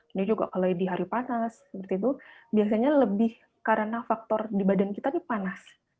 ini juga kalau di hari panas seperti itu biasanya lebih karena faktor di badan kita tuh panas